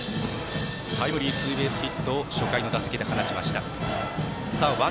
タイムリーツーベースヒットを初回の打席で放ちました。